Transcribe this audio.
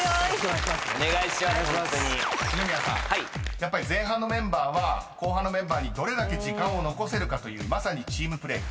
やっぱり前半のメンバーは後半のメンバーにどれだけ時間を残せるかというまさにチームプレーです］